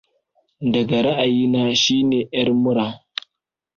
daga ra'ayi na shine 'yar mura